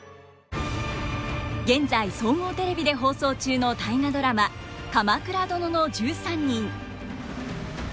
現在総合テレビで放送中の「大河ドラマ鎌倉殿の１３人」。